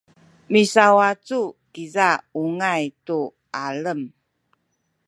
misawacu kiza ungay tu alem